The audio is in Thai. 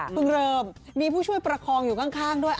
เริ่มมีผู้ช่วยประคองอยู่ข้างด้วย